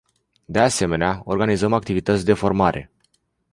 De asemenea, organizăm activități de formare.